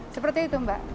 seperti itu mbak